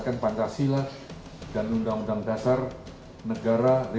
kegiatan yang dilaksanakan hti telah berjalan dengan keceseran pada tahun seribu sembilan ratus empat puluh lima